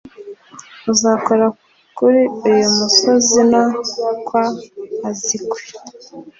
Uzakora kuri uyu musozi no kwkwa azkwe.